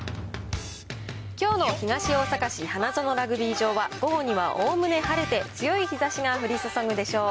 きょうの東大阪市花園ラグビー場は、午後にはおおむね晴れて、強い日ざしが降り注ぐでしょう。